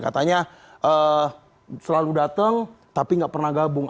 katanya selalu datang tapi nggak pernah gabung